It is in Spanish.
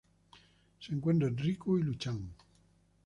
Se encuentra a Riku y luchan.